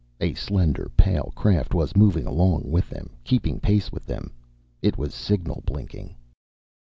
A slender pale craft was moving along with them, keeping pace with them. It was signal blinking.